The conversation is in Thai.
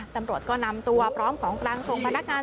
ตำรวจก็นำตัวพร้อมของกลางส่งพนักงาน